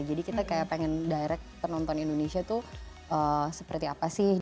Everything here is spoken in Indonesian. jadi kita kayak pengen direct penonton indonesia tuh seperti apa sih